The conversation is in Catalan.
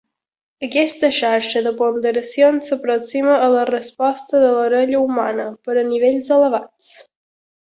Aquesta xarxa de ponderació s'aproxima a la resposta de l'orella humana per a nivells elevats.